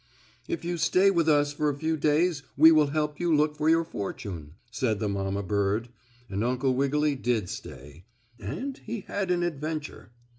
"If you stay with us for a few days we will help you look for your fortune," said the mamma bird, and Uncle Wiggily did stay, and he had an adventure.